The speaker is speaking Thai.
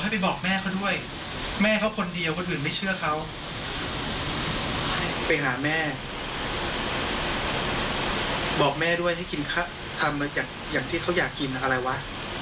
ไปหาแม่บอกแม่ด้วยให้กินทางที่เขาอยากกินอะไรวะ